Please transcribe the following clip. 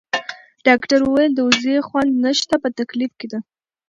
ډاکټر وویل: د وضعې خوند نشته، په تکلیف کې ده.